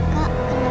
kau masuk kamar